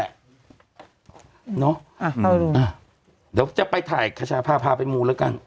เนอะอ่ะเข้าไปดูอ่ะเดี๋ยวจะไปถ่ายคัชภาพพาไปมูลแล้วกัน